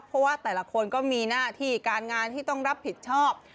เพราะว่าแต่ละคนก็มีหน้าที่การงานที่ต้องรับผิดชอบ